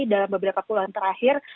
dalam beberapa puluhan terakhir